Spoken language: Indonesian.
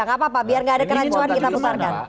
nggak apa apa biar nggak ada kerancuan kita putarkan